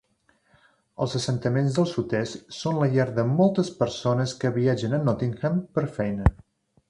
Els assentaments del sud-est són la llar de moltes persones que viatgen a Nottingham per feina.